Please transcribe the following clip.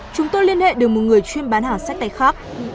chúng tôi liên hệ được một người chuyên bán hàng sách tay khác